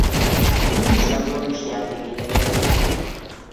Nincsen valós játékideje.